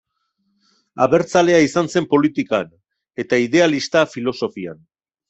Abertzalea izan zen politikan, eta idealista filosofian.